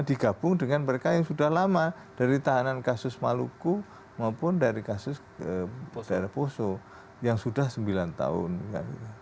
digabung dengan mereka yang sudah lama dari tahanan kasus maluku maupun dari kasus daerah poso yang sudah sembilan tahun